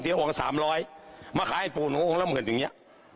ที่ออก๓๐๐มาขายบุญอร่อยตรงนี้